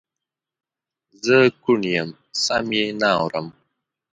زه کوڼ یم سم یې نه اورم